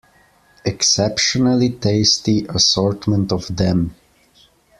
Exceptionally tasty assortment of them.